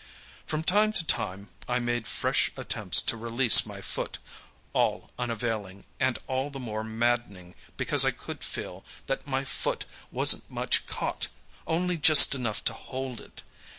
"From time to time I made fresh attempts to release my foot—all unavailing, and all the more maddening because I could feel that my foot wasn't much caught—only just enough to hold it.